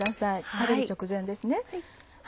食べる直前ですね。